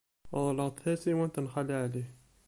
Reḍleɣ-d tasiwant n Xali Ɛli.